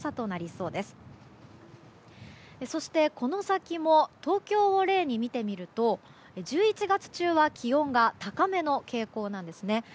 そして、この先も東京を例に見てみると１１月中は気温が高めの傾向なんですね。